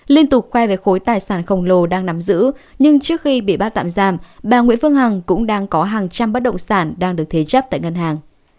liên tục khoe về khối tài sản khổng lồ đang nắm giữ nhưng trước khi bị bắt tạm giam bà nguyễn phương hằng cũng đang có hàng trăm bất động sản đang được thế chấp tại ngân hàng